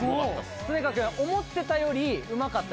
常川くん思ってたよりうまかった？